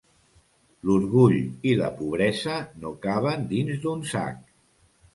L'orgull i la pobresa no caben dins d'un sac.